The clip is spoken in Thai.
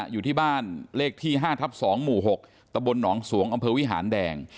อยู่ที่บ้านเลขที่๕ทับ๒หมู่๖ตะบลหนองสวงอำเภอวิหารแดง